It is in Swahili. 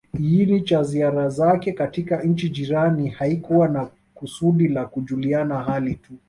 iini cha ziara zake katika nchi jirani hakikuwa na kusudi la kujuliana hali tu